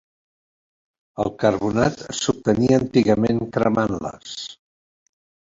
El carbonat s'obtenia antigament cremant-les.